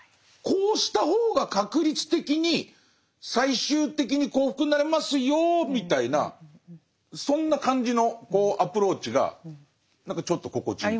こうした方が確率的に最終的に幸福になれますよみたいなそんな感じのアプローチが何かちょっと心地いいです。